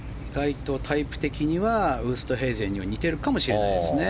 タイプ的にはウーストヘイゼンには似ているかもしれないですね。